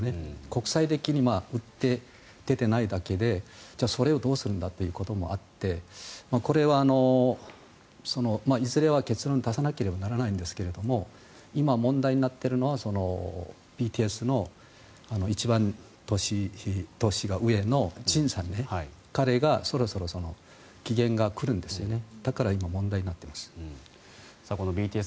国際的に売って出ていないだけでそれをどうするんだということもあってこれはいずれは結論を出さなければならないんですが今、問題になっているのはＢＴＳの一番年が上のＪＩＮさん、彼がそろそろ期限が来るんですよね。